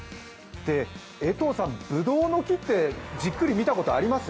江藤さん、ぶどうの木ってじっくり見たことあります？